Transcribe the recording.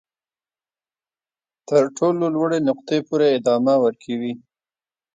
تر تر ټولو لوړې نقطې پورې ادامه ورکوي.